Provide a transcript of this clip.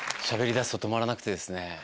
喋りだすと止まらなくてですね。